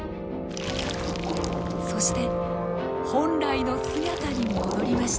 そして本来の姿に戻りました。